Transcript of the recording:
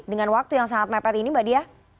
dengan waktu yang sangat mepet ini mbak dia